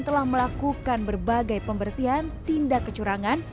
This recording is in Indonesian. telah melakukan berbagai pembersihan tindak kecurangan